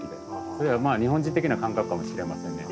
それは日本人的な感覚かもしれませんね。